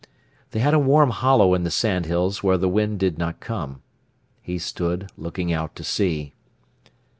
They had a warm hollow in the sandhills where the wind did not come. He stood looking out to sea.